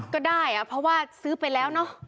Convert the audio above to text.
ก็ได้เพราะว่าซื้อไปแล้วเนอะ